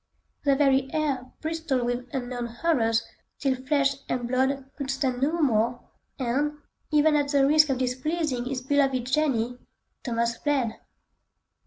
The very air bristled with unknown horrors till flesh and blood could stand no more, and, even at the risk of displeasing his beloved Jenny, Thomas fled!